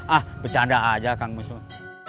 ah bercanda aja kang musman